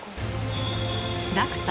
落差